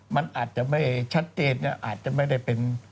มันอาจจะไม่ชัดเจนอาจจะไม่ได้เป็น